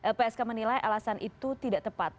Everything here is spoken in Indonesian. lpsk menilai alasan itu tidak tepat